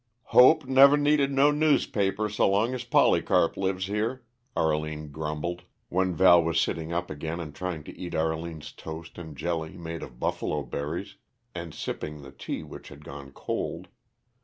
"Hope never needed no newspaper so long as Polycarp lives here," Arline grumbled when Val was sitting up again and trying to eat Arline's toast, and jelly made of buffalo berries, and sipping the tea which had gone cold.